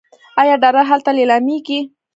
آیا ډالر هلته لیلامیږي؟